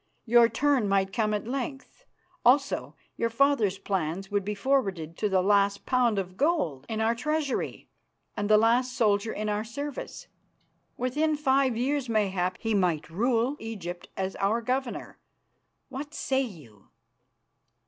Your turn might come at length. Also your father's plans would be forwarded to the last pound of gold in our treasury and the last soldier in our service. Within five years, mayhap, he might rule Egypt as our Governor. What say you?"